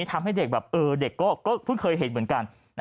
ทำให้เด็กแบบเด็กก็เพิ่งเคยเห็นเหมือนกัน